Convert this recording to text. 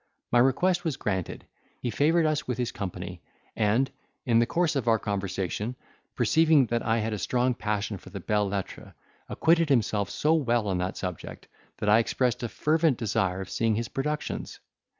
My request was granted; he favoured us with his company, and, in the course of our conversation perceiving that I had a strong passion for the Belles Lettres, acquitted himself so well on that subject, that I expressed a fervent desire of seeing his productions.